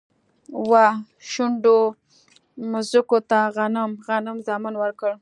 و، شنډو مځکوته غنم، غنم زامن ورکړه